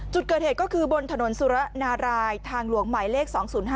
จุดเกิดเหตุก็คือบนถนนสุรนารายทางหลวงหมายเลข๒๐๕